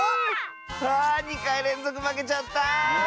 あ２かいれんぞくまけちゃった。